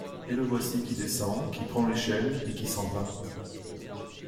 Et le voici qui descend, qui prend l’échelle, et qui s’en va.